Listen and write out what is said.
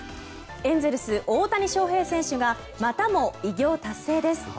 エンゼルス大谷翔平選手がまたも偉業達成です。